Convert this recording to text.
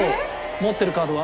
持ってるカードは？